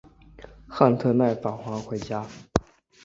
斡特懒返还回家。